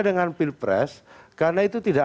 dengan pilpres karena itu tidak